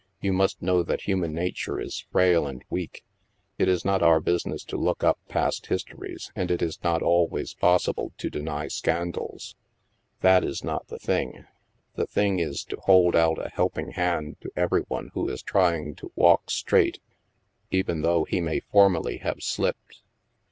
You must know that human nature is frail and weak. It is not our business to look up past histories, and it is not always possible to deny scan dals. That is not the thing. The thing is to hold out a helping hand to every one who is trying to walk straight, even though he may formerly have slipped.